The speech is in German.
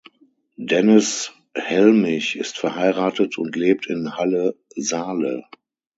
Dennis Helmich ist verheiratet und lebt in Halle (Saale).